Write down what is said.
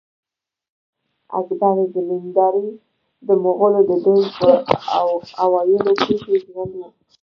اکبر زمینداوری د مغلو د دوې په اوایلو کښي ژوندی وو.